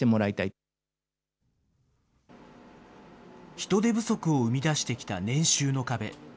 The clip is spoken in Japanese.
人手不足を生み出してきた年収の壁。